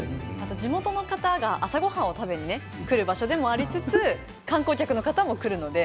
地元の方が朝ごはんを食べに来る場所でもあり観光客も来るんです。